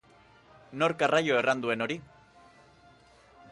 Nork arraio erran duen hori?